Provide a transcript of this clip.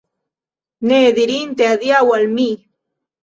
Ne dirinte adiaŭ al mi!